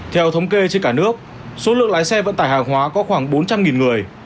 theo thống kê trên cả nước số lượng lái xe vận tải hàng hóa có khoảng bốn trăm linh người